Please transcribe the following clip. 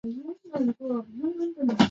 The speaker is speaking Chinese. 最后与定陵侯淳于长关系亲密而免官。